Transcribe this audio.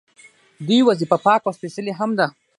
دوی وظیفه پاکه او سپیڅلې هم ده.